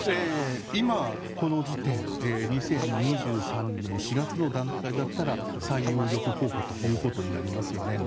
今この時点２０２３年４月の段階だったら最有力候補ということになりますよね。